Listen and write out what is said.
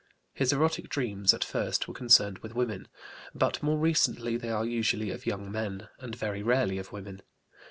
His erotic dreams at first were concerned with women, but more recently they are usually of young men, and very rarely of women.